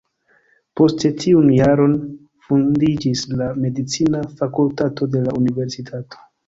Poste tiun jaron fondiĝis la medicina fakultato de la universitato.